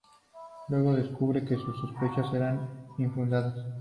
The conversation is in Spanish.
Luego descubre que sus sospechas eran infundadas.